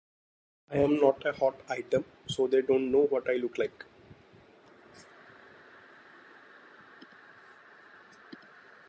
I'm not a hot item, so they don't know what I look like.